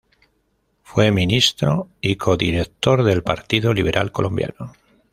Fue Ministro y codirector del Partido Liberal Colombiano.